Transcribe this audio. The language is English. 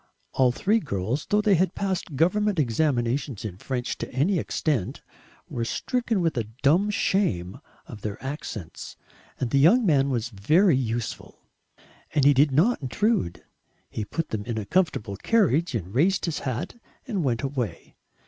All three girls, though they had passed government examinations in French to any extent, were stricken with a dumb shame of their accents, and the young man was very useful. And he did not intrude. He put them in a comfortable carriage and raised his hat and went away.